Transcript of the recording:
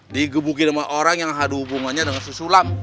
digebukin sama orang yang ada hubungannya dengan si sulam